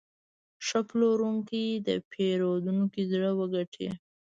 ښه پلورونکی د پیرودونکي زړه وګټي.